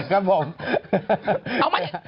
เอามานี่